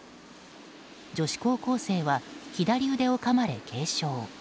女子高校生は左腕をかまれ軽傷。